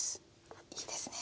いいですね。